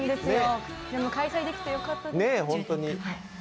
でも開催できてよかったです。